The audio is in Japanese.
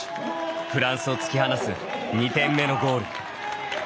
フランスを突き放す２点目のゴール。